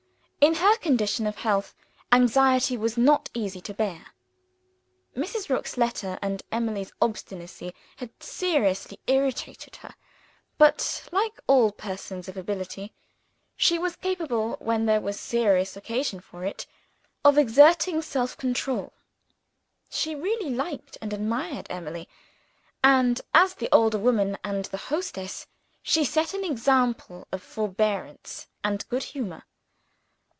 In her condition of health, anxiety was not easy to bear. Mrs. Rook's letter and Emily's obstinacy had seriously irritated her. But, like all persons of ability, she was capable, when there was serious occasion for it, of exerting self control. She really liked and admired Emily; and, as the elder woman and the hostess, she set an example of forbearance and good humor.